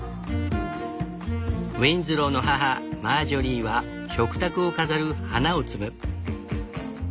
ウィンズローの母マージョリーは食卓を飾る花を摘む。